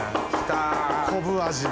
昆布味。